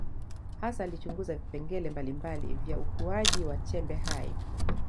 Hasa alichunguza vipengele mbalimbali vya ukuaji wa chembe hai.